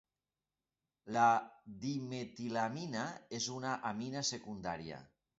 La dimetilamina és una amina secundària.